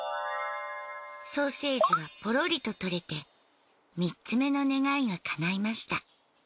ソーセージはぽろりと取れて３つ目の願いが叶いました。